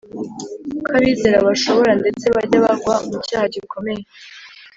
ko abizera bashobora ndetse bajya bagwa mu cyaha gikomeye